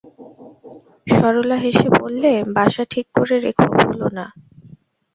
সরলা হেসে বললে, বাসা ঠিক করে রেখো, ভুলো না।